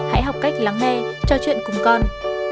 hãy học cách lắng nghe trò chuyện cùng con